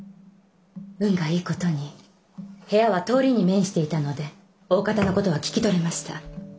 運がいい事に部屋は通りに面していたのでおおかたの事は聞き取れました。